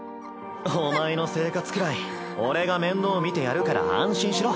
お前の生活くらい俺が面倒見てやるから安心しろ。